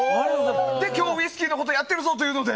で、今日ウイスキーのことやってるぞというので。